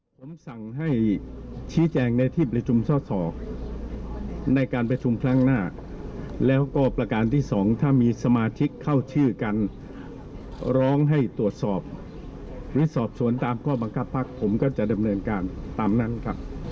คุณจุลินบอกว่าให้ไปถามคนโหวตเองแต่ขอยืนยันว่าพักประชาธิปัตย์ต้องมีศักดิ์ศรีให้เพียงพอ